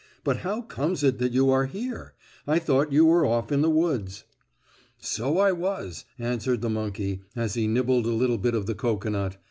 "But how comes it that you are here? I thought you were off in the woods." "So I was," answered the monkey, as he nibbled a little bit of the cocoanut.